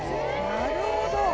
なるほど。